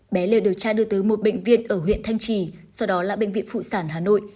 bé đều được cha đưa tới một bệnh viện ở huyện thanh trì sau đó là bệnh viện phụ sản hà nội